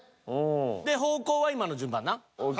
で方向は今の順番な。ＯＫ！